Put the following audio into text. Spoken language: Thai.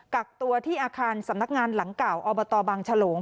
กักตัวที่อาคารสำนักงานหลังเก่าอบตบางฉลง